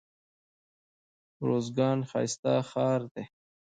روزګان ښايسته ښار دئ.